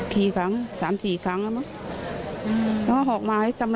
กี่ครั้งสามสี่ครั้งแล้วมั้งอืมแล้วก็ออกมาให้จำ